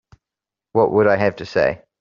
What would I have to say?